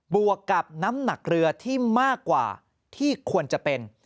วกกับน้ำหนักเรือที่มากกว่าที่ควรจะเป็น